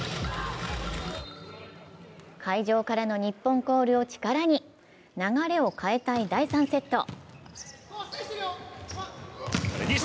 会場からの日本コールを力に流れを変えたい第３セット。